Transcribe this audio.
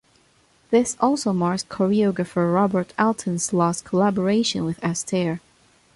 This also marks choreographer Robert Alton's last collaboration with Astaire.